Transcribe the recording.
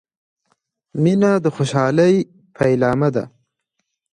• مینه د خوشحالۍ پیلامه ده.